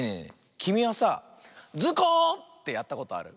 きみはさあ「ズコ！」ってやったことある？